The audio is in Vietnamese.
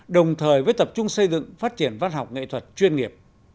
đồng thời với tập trung xây dựng phát triển văn học nghệ thuật chuyên nghiệp